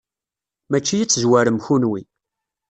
Mačči ad tezwarem kenwi.